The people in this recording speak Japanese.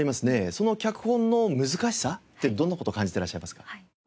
その脚本の難しさってどんな事を感じていらっしゃいますか？